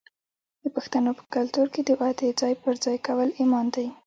د پښتنو په کلتور کې د وعدې ځای پر ځای کول ایمان دی.